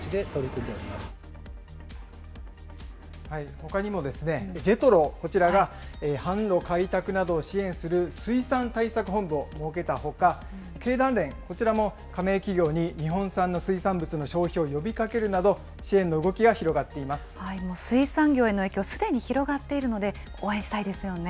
ほかにもですね、ＪＥＴＲＯ、こちらが販路開拓などを支援する水産対策本部を設けたほか、経団連、こちらも加盟企業に日本産の水産物の消費を呼びかけるなど、水産業への影響、すでに広がっているので、応援したいですよね。